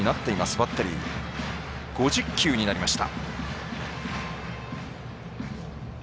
バッテリー５０球になりました。